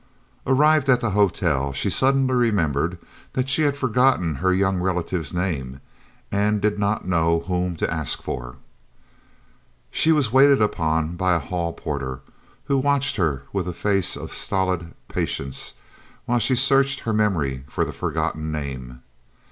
Arrived at the hotel, she suddenly remembered that she had forgotten her young relative's name, and did not know whom to ask for. She was waited upon by a hall porter, who watched her with a face of stolid patience while she searched her memory for the forgotten name.